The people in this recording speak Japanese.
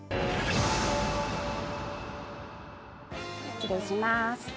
失礼します。